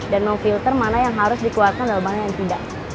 dan memfilter mana yang harus dikeluarkan dan mana yang tidak